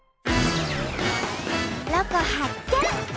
ロコ発見！